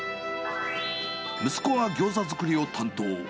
息子がギョーザ作りを担当。